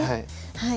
はい。